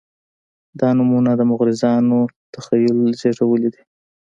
دا نومونه د مغرضانو تخیل زېږولي دي.